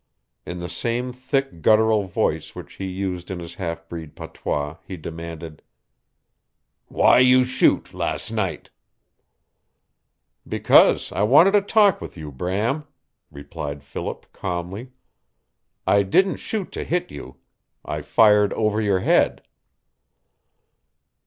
In the same thick guttural voice which he used in his half breed patois he demanded, "Why you shoot las' night!" "Because I wanted to talk with you, Bram," replied Philip calmly. "I didn't shoot to hit you. I fired over your head."